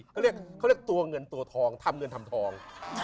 เขาเรียกตัวเงินตัวทองทำเงินทำทอง